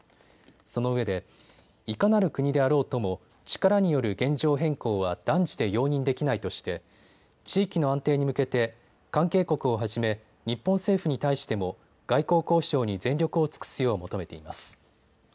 そのうえで、いかなる国であろうとも力による現状変更は断じて容認できないとして地域の安定に向けて関係国をはじめ、日本政府に対しても外交交渉に全力を尽くすよう求めています。